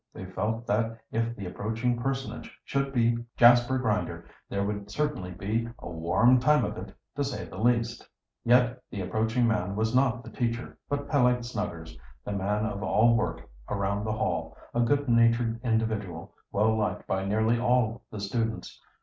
They felt that if the approaching personage should be Jasper Grinder there would certainly be "a warm time of it," to say the least. Yet the approaching man was not the teacher, but Peleg Snuggers, the man of all work around the Hall, a good natured individual, well liked by nearly all the students.